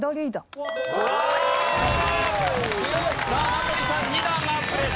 名取さん２段アップです。